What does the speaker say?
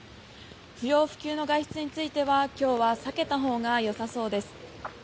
不要不急の外出については今日は避けたほうがよさそうです。